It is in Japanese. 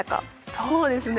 そうですね。